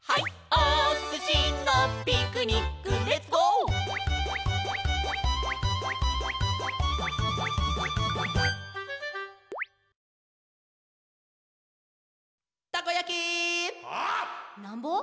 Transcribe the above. おすしのピクニックレッツゴー！」「たこやき」「なんぼ？」